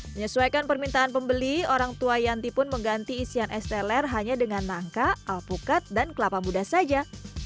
menyesuaikan permintaan pembeli orang tua yanti pun mengganti isian es teler hanya dengan nangka alpukat dan kelapa muda saja